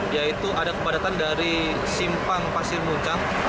yaitu ada kepadatan dari simpang pasir muncang